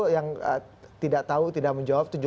yang tidak tahu tidak menjawab